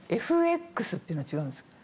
ＦＸっていうのは違うんですか？